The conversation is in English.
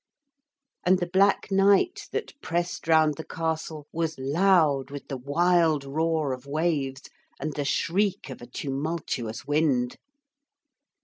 And the black night that pressed round the castle was loud with the wild roar of waves and the shriek of a tumultuous wind.